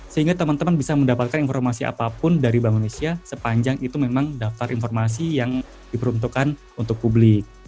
sehingga teman teman bisa mendapatkan informasi apapun dari bank indonesia sepanjang itu memang daftar informasi yang diperuntukkan untuk publik